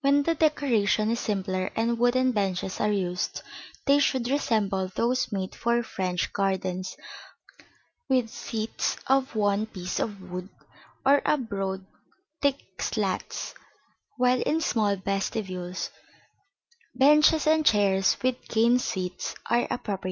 When the decoration is simpler and wooden benches are used, they should resemble those made for French gardens, with seats of one piece of wood, or of broad thick slats; while in small vestibules, benches and chairs with cane seats are appropriate.